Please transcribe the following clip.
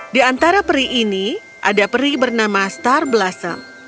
di antara peri ini ada peri bernama star blossom